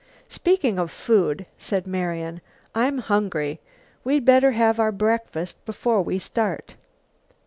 "Speaking of food," said Marian, "I'm hungry. We'd better have our breakfast before we start."